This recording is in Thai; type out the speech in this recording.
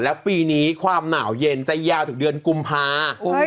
แล้วปีนี้ความหนาวเย็นจะยาวถึงเดือนกุมภา